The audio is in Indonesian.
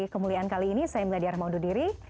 kemuliaan kali ini saya meladya rahmahududiri